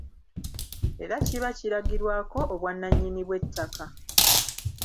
Era kiba kiragirwako obwannannyini bw’ettaka.